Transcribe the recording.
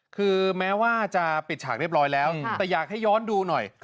คือแม้ว่าจะปิดฉากเรียบร้อยแล้วแต่อยากให้ย้อนดูหน่อย